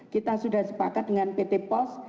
kita sudah sepakat dengan pt pos